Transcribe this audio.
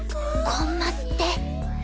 コンマスって？